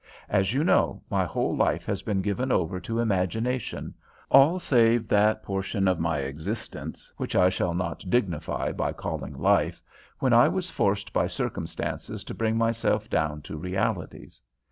As you know, my whole life has been given over to imagination all save that portion of my existence, which I shall not dignify by calling life, when I was forced by circumstances to bring myself down to realities.